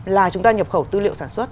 là chúng ta nhập khẩu tư liệu sản xuất